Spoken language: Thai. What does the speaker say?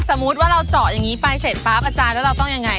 สมมุติว่าเราเจาะอย่างนี้ไปเสร็จปั๊บอาจารย์แล้วเราต้องยังไง